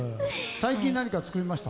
最近、何か作りました？